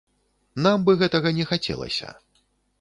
Нам бы гэтага не хацелася.